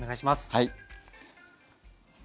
はい。